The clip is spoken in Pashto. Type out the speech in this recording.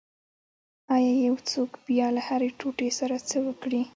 ایا یو څوک باید له هرې ټوټې سره څه وکړي